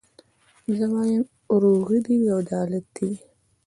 زه وايم وروغي او عدالت دي وي